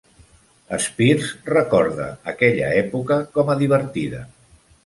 Spears recorda aquella època com a "divertida".